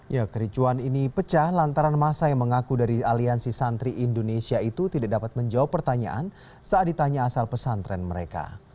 ya kericuan ini pecah lantaran masa yang mengaku dari aliansi santri indonesia itu tidak dapat menjawab pertanyaan saat ditanya asal pesantren mereka